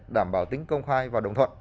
đảm bảo tính công khai và đồng thuận